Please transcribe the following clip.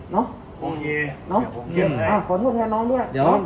น้องเกเนี่ย